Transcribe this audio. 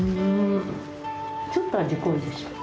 ちょっと味濃いでしょう。